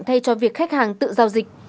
thay cho việc khách hàng tự giao dịch